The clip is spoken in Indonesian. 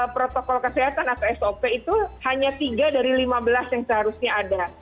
protokol kesehatan atau sop itu hanya tiga dari lima belas yang seharusnya ada